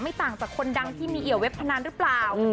ต่างจากคนดังที่มีเหี่ยวเว็บพนันหรือเปล่า